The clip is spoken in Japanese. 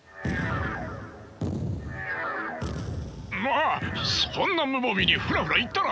ああっそんな無防備にフラフラ行ったら！